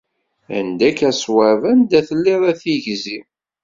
Anda-k a ṣwab, anda telliḍ a tigzi?